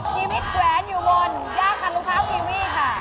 ชีวิตแกวนอยู่บนยากขัดรองเท้าอีวีค่ะ